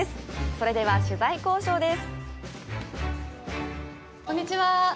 それでは、取材交渉です。